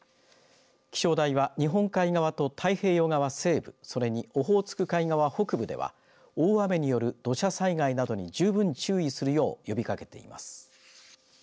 気象台は日本海側と太平洋側西部それにオホーツク海側北部では大雨による土砂災害などに十分注意するよう呼びかけています。